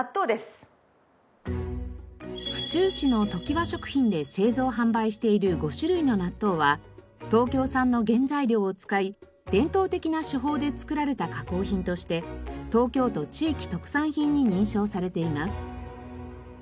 府中市の登喜和食品で製造販売している５種類の納豆は東京産の原材料を使い伝統的な手法で作られた加工品として東京都地域特産品に認証されています。